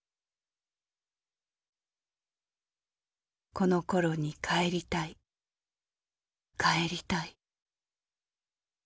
「この頃に帰りたい帰りたい。